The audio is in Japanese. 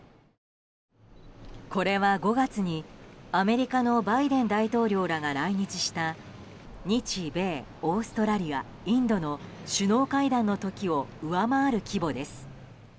これは５月に、アメリカのバイデン大統領らが来日した日米、オーストラリアインドの首脳会談の時を上回る規模です。